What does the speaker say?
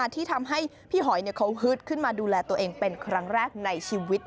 ที่ทำให้พี่หอยเขาฮึดขึ้นมาดูแลตัวเองเป็นครั้งแรกในชีวิต